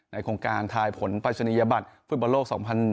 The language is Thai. โครงการทายผลปรายศนียบัตรฟุตบอลโลก๒๐๑๖